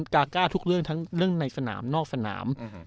กาก้าทุกเรื่องทั้งเรื่องในสนามนอกสนาม